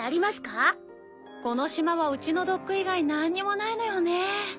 この島はうちのドック以外何にもないのよねぇ。